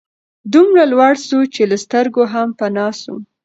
دومره لوړ سو چي له سترګو هم پناه سو